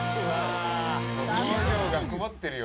表情が曇ってるよ。